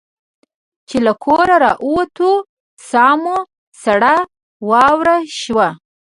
چې له کوره را ووتو ساه مو سړه واوره شوه.